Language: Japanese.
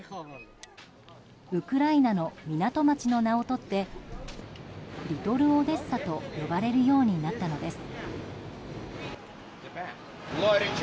ウクライナの港町の名をとってリトル・オデッサと呼ばれるようになったのです。